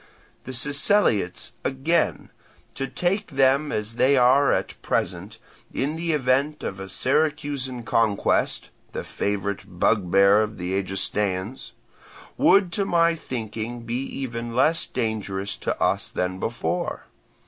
The Siceliots, again, to take them as they are at present, in the event of a Syracusan conquest (the favourite bugbear of the Egestaeans), would to my thinking be even less dangerous to us than before.